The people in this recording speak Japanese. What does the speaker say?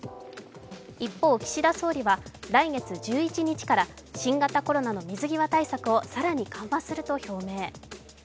一方、岸田総理は来月１１日から新型コロナの水際対策を更に緩和すると表明。